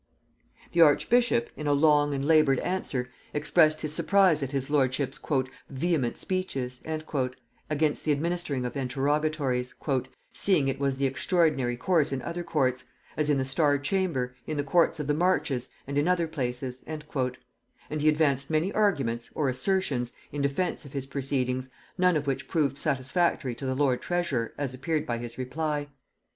] The archbishop, in a long and labored answer, expressed his surprise at his lordship's "vehement speeches" against the administering of interrogatories, "seeing it was the ordinary course in other courts: as in the star chamber, in the courts of the marches, and in other places:" and he advanced many arguments, or assertions, in defence of his proceedings, none of which proved satisfactory to the lord treasurer, as appeared by his reply.